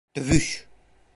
Dövüş!